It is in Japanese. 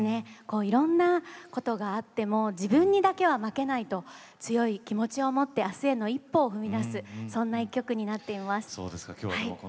いろんなことがあっても自分にだけは負けないと強い気持ちを持ってあすへの一歩を踏み出すそんな曲になっています。